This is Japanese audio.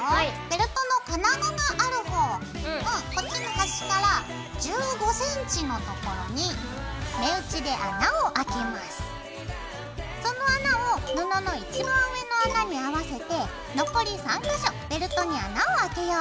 ベルトの金具がある方をこっちの端から１５ｃｍのところにその穴を布の一番上の穴に合わせて残り３か所ベルトに穴をあけよう。